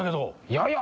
やや！